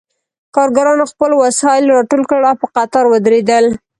کارګرانو خپل وسایل راټول کړل او په قطار ودرېدل